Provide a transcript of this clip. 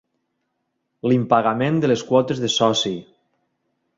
L'impagament de les quotes de soci.